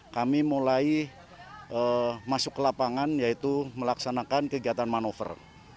kami mulai masuk ke lapangan yaitu melaksanakan kegiatan manover